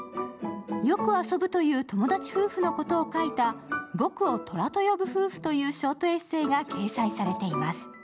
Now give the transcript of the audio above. よく遊ぶという友達夫婦のことを書いた「僕を虎と呼ぶ夫婦」というエッセーが掲載されています。